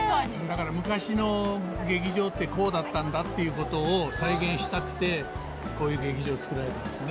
だから昔の劇場ってこうだったんだっていうことを再現したくてこういう劇場作られたんですね。